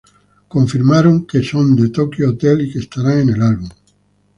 Fue confirmado que son de Tokio Hotel y que estarán en el álbum.